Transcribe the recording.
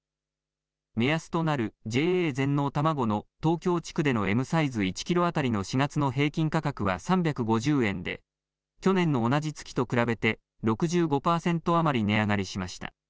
目安となるＪＡ全農たまごの東京地区でのＭサイズ１キロ当たりの４月の平均価格は３５０円で去年の同じ月と比べて６５％余り値上がりしました。